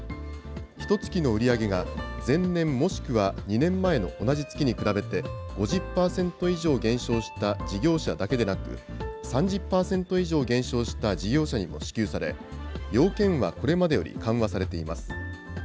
ひとつきの売り上げが前年、もしくは２年前の同じ月に比べて、５０％以上減少した事業者だけでなく、３０％以上減少した事業者に支給され、要件はこれまでより緩和されています。